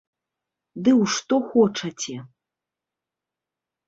Ды ў што хочаце.